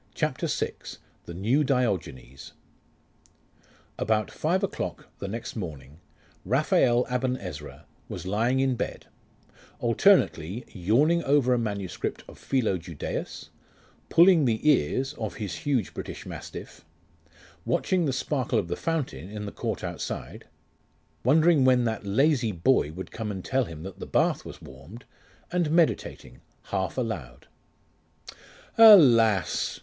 CHAPTER VI: THE NEW DIOGENES About five o'clock the next morning, Raphael Aben Ezra was lying in bed, alternately yawning over a manuscript of Philo Judaeus, pulling the ears of his huge British mastiff, watching the sparkle of the fountain in the court outside, wondering when that lazy boy would come to tell him that the bath was warmed, and meditating, half aloud.... 'Alas!